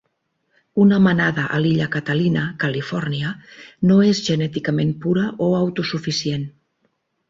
Una manada a l'illa Catalina, Califòrnia, no és genèticament pura o autosuficient.